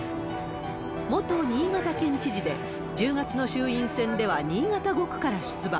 元新潟県知事で、１０月の衆院選では新潟５区から出馬。